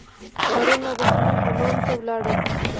هارون او بهلول حمام ته لاړل.